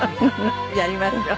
やりましょう。